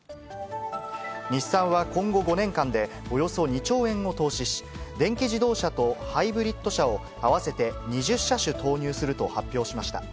日産は今後５年間で、およそ２兆円を投資し、電気自動車とハイブリッド車を合わせて２０車種投入すると発表しました。